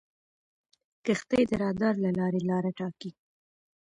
کښتۍ د رادار له لارې لاره ټاکي.